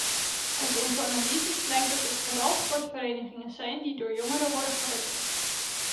Uit onze analyses blijkt dat het vooral sportverenigingen zijn die door jongeren worden gewaardeerd.